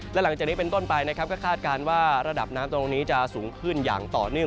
และหลังจากนี้เป็นต้นไปนะครับก็คาดการณ์ว่าระดับน้ำตรงนี้จะสูงขึ้นอย่างต่อเนื่อง